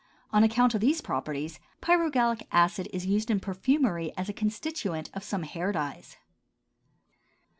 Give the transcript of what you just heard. On account of these properties pyrogallic acid is used in perfumery as a constituent of some hair dyes.